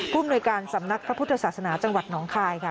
ภูมิหน่วยการสำนักพระพุทธศาสนาจังหวัดหนองคายค่ะ